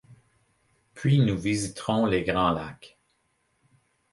Puis nous visiterons les grands lacs.